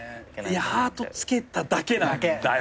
ハートつけただけなんだよね。